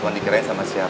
luang dikirain sama siapa